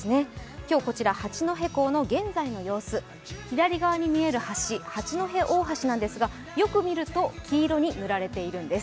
今日こちら八戸港の現在の様子、左側に見える橋、八戸大橋ですが、よく見ると黄色に塗られているんです。